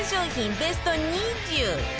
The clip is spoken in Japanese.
ベスト２０